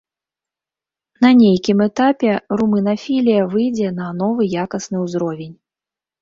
На нейкім этапе румынафілія выйдзе на новы якасны ўзровень.